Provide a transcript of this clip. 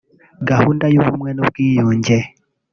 gahunda y’ubumwe n’ubwiyunge